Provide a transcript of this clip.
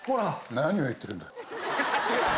何を言ってるんだ？